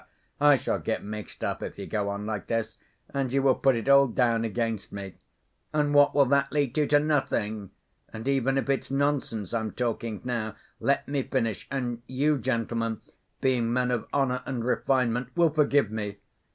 I shall get mixed up, if you go on like this, and you will put it all down against me. And what will that lead to? To nothing! And even if it's nonsense I'm talking now, let me finish, and you, gentlemen, being men of honor and refinement, will forgive me!